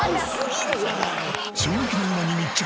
衝撃の今に密着！